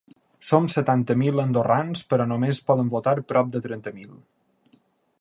Som setanta mil andorrans però només poden votar prop de trenta mil.